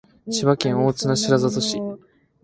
千葉県大網白里市